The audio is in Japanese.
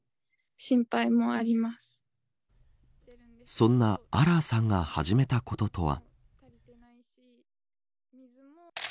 そんなアラアさんが始めたこととは。